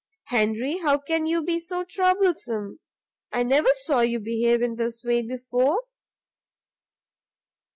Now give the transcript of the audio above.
Henny, how can you be so troublesome? I never saw you behave in this way before."